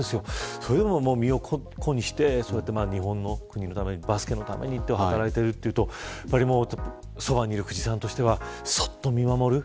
それでも身を粉にして日本のために、バスケのためにと働いてるというとそばにいる久慈さんとしてはそっと見守る。